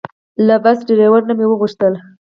له بس ډریور نه مې وغوښتل.